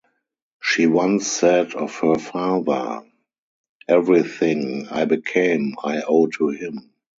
She once said of her father: Everything I became I owe to him.